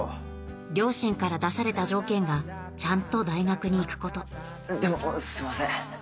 両親から出された条件がちゃんと大学に行くことでもすみません。